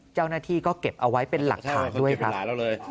เจ้าหน้าที่ก็เก็บเอาไว้เป็นหลักฐานด้วยนะครับเขาเก็บกันแล้วเลย